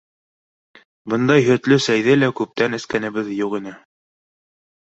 Бындай һөтлө сәйҙе лә күптән эскәнебеҙ юҡ ине.